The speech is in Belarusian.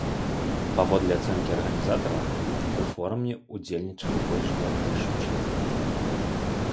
Паводле ацэнкі арганізатараў, у форуме ўдзельнічалі больш за тысячу чалавек.